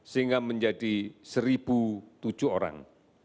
sehingga menjadi satu tujuh orang